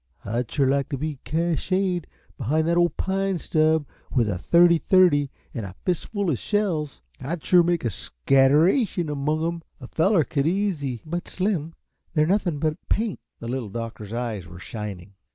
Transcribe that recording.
I'd shore like t' be cached behind that ole pine stub with a thirty thirty an' a fist full uh shells I'd shore make a scatteration among 'em! A feller could easy " "But, Slim, they're nothing but paint!" The Little Doctor's eyes were shining.